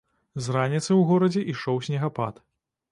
З раніцы ў горадзе ішоў снегапад.